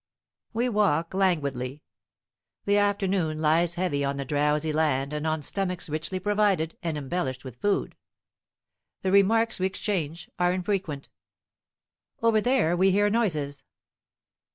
We walk languidly. The afternoon lies heavy on the drowsy land and on stomachs richly provided and embellished with food. The remarks we exchange are infrequent. Over there, we hear noises.